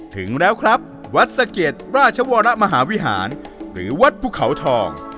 ถึงแล้วครับวัดสะเก็ดราชวรมหาวิหารหรือวัดภูเขาทอง